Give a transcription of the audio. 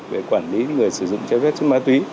về quản lý người sử dụng trái phép chất ma túy